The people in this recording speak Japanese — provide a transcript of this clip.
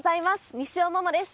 西尾桃です。